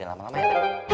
jangan lama lama ya